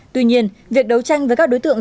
tuy nhiên việc đấu tranh với các đối tượng